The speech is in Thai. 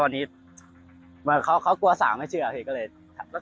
เหลือเขากลัวน้องสาวไม่เชื่อเรื่อยนะครับ